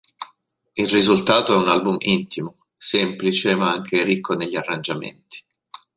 Il risultato è un album intimo, semplice ma anche ricco negli arrangiamenti.